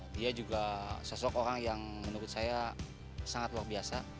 dia juga sosok orang yang menurut saya sangat luar biasa